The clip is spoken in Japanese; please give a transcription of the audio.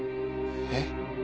えっ？